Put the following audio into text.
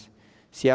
putih itu adalah susu